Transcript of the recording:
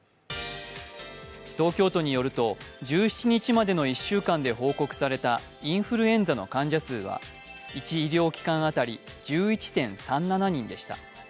東京都によると、１７日までの１週間で報告されたインフルエンザの患者数は１医療機関当たり１１．３７人でした。